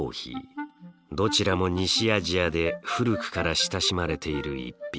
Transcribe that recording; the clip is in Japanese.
どちらも西アジアで古くから親しまれている逸品です。